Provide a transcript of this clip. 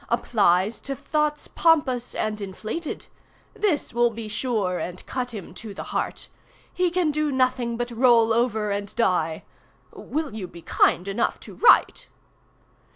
applies to thoughts pompous and inflated. This will be sure and cut him to the heart. He can do nothing but roll over and die. Will you be kind enough to write?